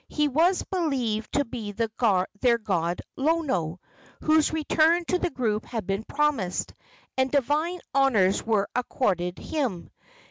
He was believed to be their god Lono, whose return to the group had been promised, and divine honors were accorded him.